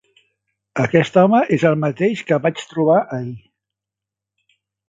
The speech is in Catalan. Aquest home és el mateix que vaig trobar ahir.